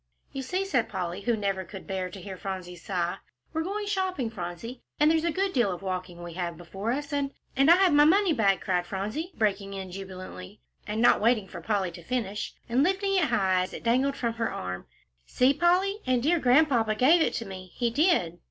"You see," said Polly, who never could bear to hear Phronsie sigh, "we're going shopping, Phronsie, and there's a good deal of walking we have before us, and " "And I have my money bag," cried Phronsie, breaking in jubilantly, and not waiting for Polly to finish, and lifting it high as it dangled from her arm. "See, Polly, and dear Grandpapa gave it to me, he did."